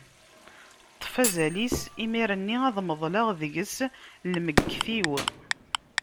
Ṭṭef azal-is, imir-nni ad meḍleɣ deg-s lmegget-iw.